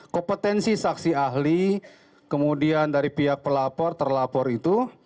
kompetensi saksi ahli kemudian dari pihak pelapor terlapor itu